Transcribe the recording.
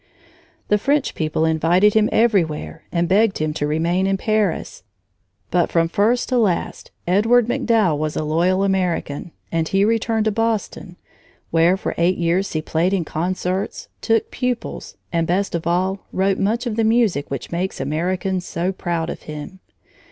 The French people invited him everywhere and begged him to remain in Paris, but from first to last Edward MacDowell was a loyal American, and he returned to Boston, where for eight years he played in concerts, took pupils, and best of all wrote much of the music which makes Americans so proud of him.